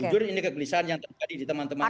jujur ini kegelisahan yang terjadi di teman teman